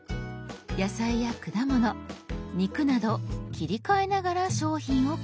「野菜」や「果物」「肉」など切り替えながら商品を確認。